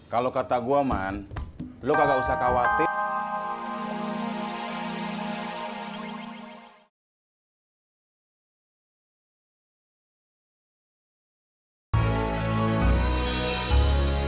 kalau kata gue man lu gak usah khawatir